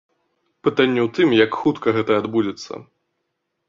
Пытанне ў тым, як хутка гэта адбудзецца.